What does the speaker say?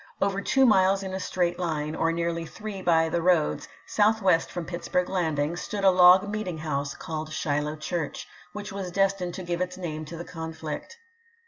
Over two miles in a straight line, or nearly three by the roads, southwest from Pitts burg Landing, stood a log meeting house, called Shiloh Church, which was destined to give its name to the conflict.